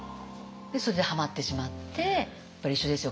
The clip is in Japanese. それでハマってしまってやっぱり一緒ですよ。